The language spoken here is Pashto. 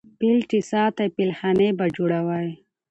ـ فيل چې ساتې فيلخانې به جوړوې.